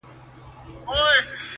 نړېدلي دېوالونه دروازې د ښار پرتې دي